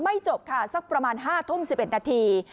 จบค่ะสักประมาณ๕ทุ่ม๑๑นาที